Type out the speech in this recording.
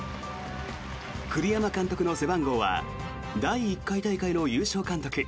栗山監督の背番号は第１回大会の優勝監督